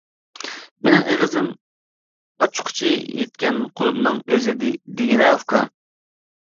مېنىڭ ئېغىزىم ئاچقۇچى يىتكەن قۇلۇپنىڭ ئۆزى دېگىنە ئۇكا.